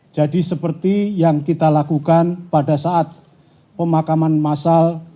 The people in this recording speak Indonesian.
jadi seperti yang kita lakukan pada saat pemakaman massal